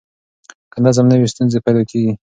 که نظم نه وي، ستونزې پیدا کېږي.